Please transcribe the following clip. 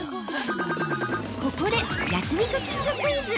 ◆ここで焼肉きんぐクイズ。